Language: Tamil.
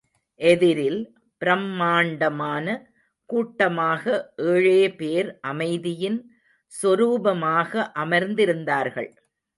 எதிரில் பிரம்மாண்டமான கூட்டமாக ஏழேபேர் அமைதியின் சொரூபமாக அமர்ந்திருந்தார்கள்.